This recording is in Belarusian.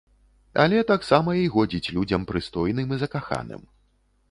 Але таксама і годзіць людзям прыстойным і закаханым.